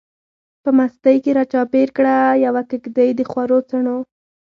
په مستۍ کی را چار پیر کړه، یوه کیږدۍ دخورو څڼو